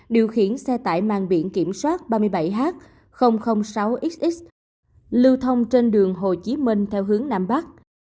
điều khiển xe tải mang biển kiểm soát ba mươi bảy h sáu xx lưu thông trên đường hồ chí minh theo hướng nam bắc